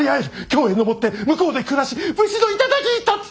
京へ上って向こうで暮らし武士の頂に立つ！